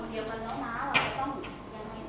ช่วยเหลือคนอื่นก็เป็นคำขอบคุณที่มีมาก